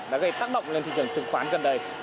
đã gây tác động lên thị trường chứng khoán gần đây